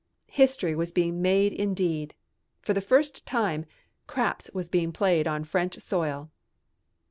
History was being made indeed. For the first time "craps" was being played on French soil.